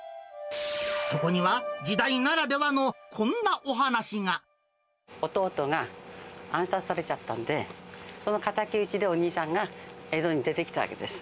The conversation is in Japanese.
そこには時代ならではのこんなお弟が暗殺されちゃったんで、その敵討ちでお兄さんが江戸に出てきたわけです。